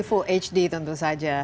ini full hd tentu saja